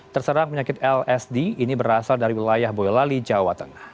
terserang penyakit lsd ini berasal dari wilayah boyolali jawa tengah